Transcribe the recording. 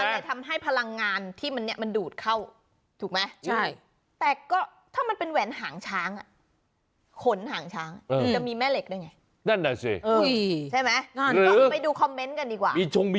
เลยทำให้พลังงานที่มันเนี่ยมันดูดเข้าถูกไหม